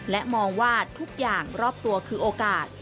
และมองว่าทุกอย่างรอบตัวคือโอกาส